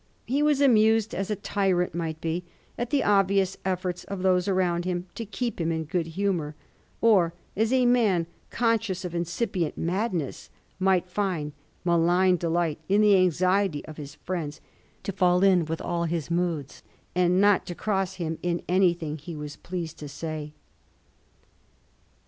He was amused as a tyrant might be at the obvious efforts of those aroimd him to keep him in good humour, or as a man conscious of incipient madness might find malign delight in the anxiety of his Mends to fall in with all his moods and not to cross him in anything he was pleased to say.